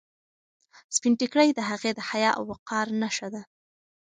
سپین ټیکری د هغې د حیا او وقار نښه وه.